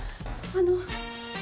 あの。